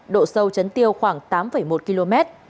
độ sâu chấn tiêu khoảng tám một km